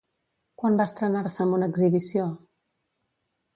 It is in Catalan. Quan va estrenar-se amb una exhibició?